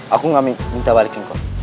aku nggak minta balikin kok